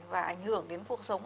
và ảnh hưởng đến cuộc sống